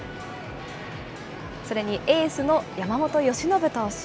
それにエースの山本由伸投手。